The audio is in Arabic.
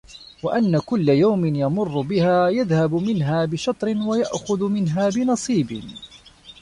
وَأَنَّ كُلَّ يَوْمٍ يَمُرُّ بِهَا يَذْهَبُ مِنْهَا بِشَطْرٍ وَيَأْخُذُ مِنْهَا بِنَصِيبٍ